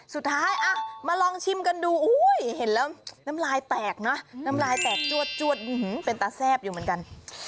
สุดท้ายมาลองชิมกันดูอุ้ยเห็นแล้วน้ำลายแตกนะน้ำลายแตกจวดเป็นตาแซ่บอยู่เหมือนกัน